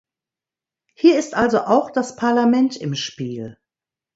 Hier ist also auch das Parlament im Spiel.